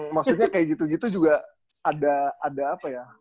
maksudnya kayak gitu gitu juga ada apa ya